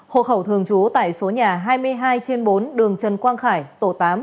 hộ khẩu thường trú tại số nhà hai mươi hai trên bốn đường trần quang khải tổ tám